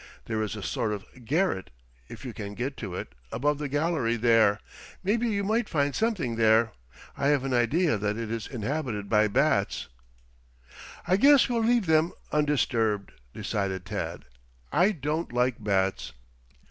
"There is a sort of garret, if you can get to it, above the gallery there. Maybe you might find something there. I have an idea that it is inhabited by bats." "I guess we will leave them undisturbed," decided Tad. "I don't like bats."